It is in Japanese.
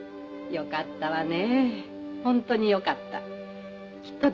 「よかったわね。